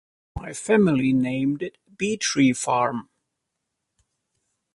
The family named it Bee Tree Farm.